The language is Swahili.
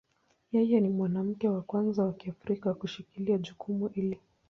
Yeye ni mwanamke wa kwanza wa Kiafrika kushikilia jukumu hili.